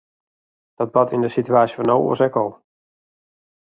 Dat bart yn de situaasje fan no oars ek al.